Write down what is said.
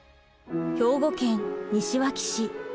兵庫県西脇市。